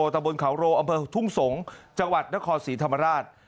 ตะบนเขาโรอำเภอทุ่งสงศ์จังหวัดนครศรีธรรมราช